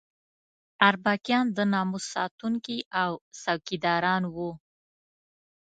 اربکیان د ناموس ساتونکي او څوکیداران وو.